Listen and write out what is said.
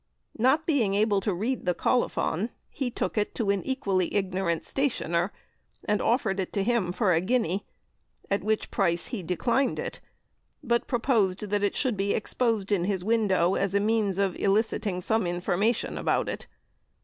Not being able to read the Colophon, he took it to an equally ignorant stationer, and offered it to him for a guinea, at which price he declined it, but proposed that it should be exposed in his window as a means of eliciting some information about it.